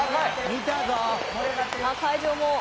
見たぞ！